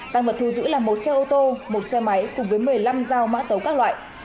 tăng vật thu giữ là một xe ô tô một xe máy cùng với một mươi năm dao mã tấu các loại